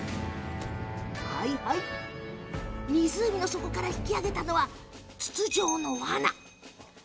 湖の底から引き揚げたのは筒状のワナ。